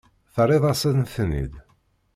Terriḍ-asen-ten-id?